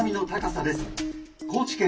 高知県